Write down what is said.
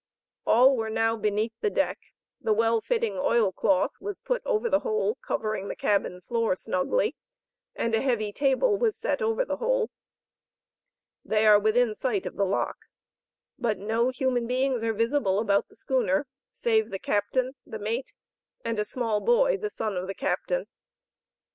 All were now beneath the deck, the well fitting oil cloth was put over the hole covering the cabin floor snugly, and a heavy table was set over the hole. They are within sight of the lock, but no human beings are visible about the schooner save the Captain, the mate and a small boy, the son of the Captain.